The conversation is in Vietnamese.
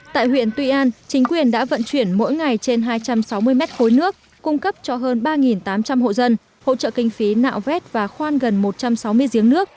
tại huyện tuy an chính quyền đã vận chuyển mỗi ngày trên hai trăm sáu mươi mét khối nước cung cấp cho hơn ba tám trăm linh hộ dân hỗ trợ kinh phí nạo vét và khoan gần một trăm sáu mươi giếng nước